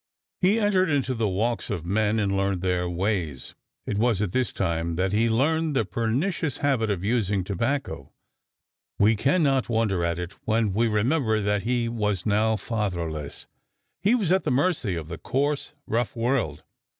He entered into the walks of men and learned their ways. It was at this time that he learned the pernicious habit of using tobacco. We can not wonder at it when we remember that he was now fatherless. He was at the mercy of the coarse, rough world.